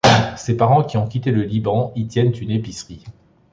Ses parents, qui ont quitté le Liban, y tiennent une épicerie.